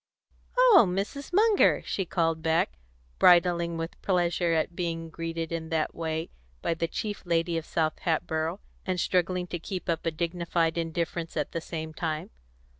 "Oh, Mrs. Munger!" she called back, bridling with pleasure at being greeted in that way by the chief lady of South Hatboro', and struggling to keep up a dignified indifference at the same time.